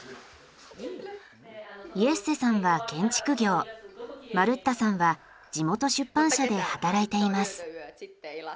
イェッセさんは建築業マルッタさんは地元出版社で働いています。